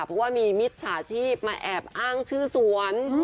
เพราะว่ามีมิจฉาชีพมาแอบอ้างชื่อสวน